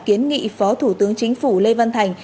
kiến nghị phó thủ tướng chính phủ lê văn thành